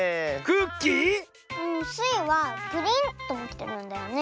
クッキー⁉スイはプリンともきてるんだよね。